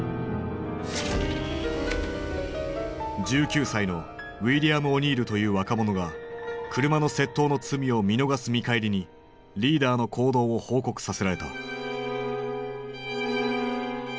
１９歳のウィリアム・オニールという若者が車の窃盗の罪を見逃す見返りにリーダーの行動を報告させられた。